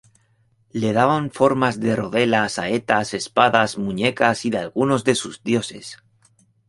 Le daban formas de rodela, saetas, espadas, muñecas y de algunos de sus dioses.